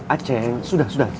aceh sudah sudah